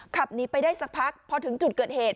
ขับหนีไปได้สักพักพอถึงจุดเกิดเหตุ